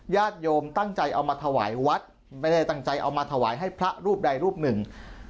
ญาติโยมตั้งใจเอามาถวายวัดไม่ได้ตั้งใจเอามาถวายให้พระรูปใดรูปหนึ่ง